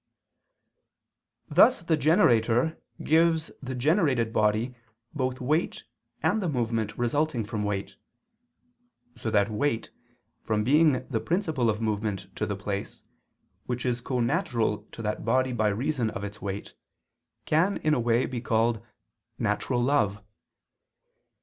Thus the generator gives the generated body both weight and the movement resulting from weight: so that weight, from being the principle of movement to the place, which is connatural to that body by reason of its weight, can, in a way, be called "natural love."